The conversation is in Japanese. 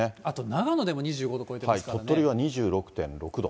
あと長野でも２５度超えてますからね。